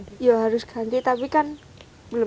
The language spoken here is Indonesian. memang sudah harus ganti enggak seharusnya